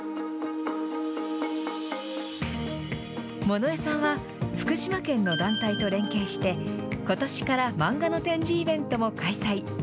物江さんは、福島県の団体と連携して、ことしから漫画の展示イベントも開催。